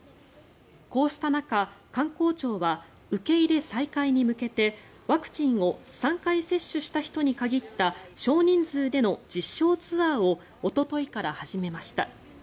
こうした中、観光庁は受け入れ再開に向けてワクチンを３回接種した人に限った少人数での実証ツアーをおとといから始めました。